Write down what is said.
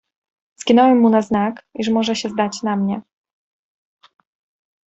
"Skinąłem mu na znak, iż może się zdać na mnie."